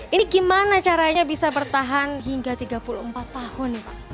ini gimana caranya bisa bertahan hingga tiga puluh empat tahun nih pak